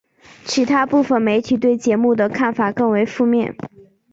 其它部分媒体对节目的看法更为负面。